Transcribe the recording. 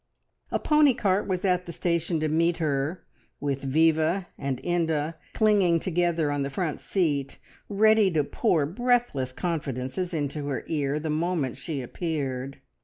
A pony cart was at the station to meet her, with Viva and Inda clinging together on the front seat, ready to pour breathless confidences into her ear the moment she appeared.